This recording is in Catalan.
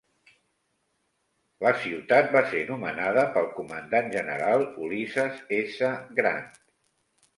La ciutat va ser nomenada pel comandant general Ulysses S. Grant.